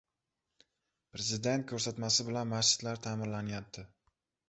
Prezident ko‘rsatmasi bilan masjidlar ta’mirlanyapti